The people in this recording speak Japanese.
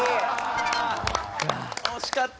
惜しかった！